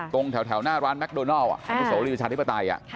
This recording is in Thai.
ตรงแถวหน้าร้านแมคโดนัลหรือสวรีชาธิปไต